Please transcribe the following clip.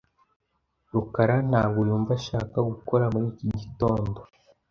rukara ntabwo yumva ashaka gukora muri iki gitondo .